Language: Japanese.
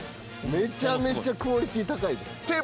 めちゃめちゃクオリティー高い。